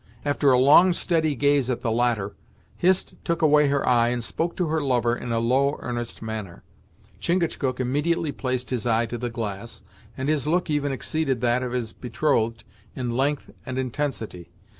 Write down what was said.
After a long steady gaze at the latter, Hist took away her eye, and spoke to her lover in a low, earnest manner. Chingachgook immediately placed his eye to the glass, and his look even exceeded that of his betrothed in length and intensity.